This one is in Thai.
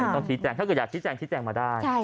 ต้องชี้แจงถ้าเกิดอยากชี้แจงชี้แจงมาได้